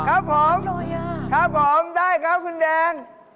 ครับผมได้ครับคุณแดน